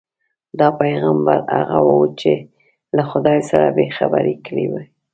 دا پیغمبر هغه وو چې له خدای سره یې خبرې کړې وې.